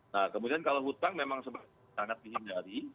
nah kemudian kalau hutang memang sangat dihindari